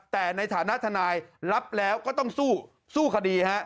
แต่ในฐานะทนายรับแล้วก็ต้องสู้คดีฮะ